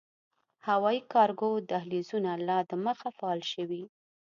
هوايي کارګو دهلېزونه لا دمخه “فعال” شوي